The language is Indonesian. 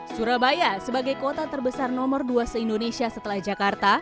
surabaya sebagai kota terbesar nomor dua se indonesia setelah jakarta